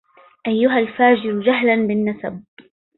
أيها الفاجر جهلا بالنسب